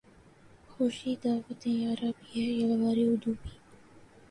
خوش دعوت یاراں بھی ہے یلغار عدو بھی